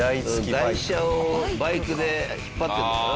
台車をバイクで引っ張ってるのかな？